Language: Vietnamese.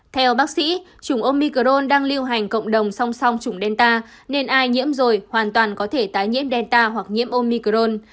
theo bác sĩ chủng omicron đang lưu hành cộng đồng song song trùng delta nên ai nhiễm rồi hoàn toàn có thể tái nhiễm delta hoặc nhiễm omicron